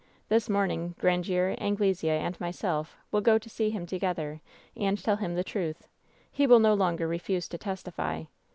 This morning, Grandiere, Anglesea and myself will go to see him together and tell him the truth. He will no longer refuse to testify.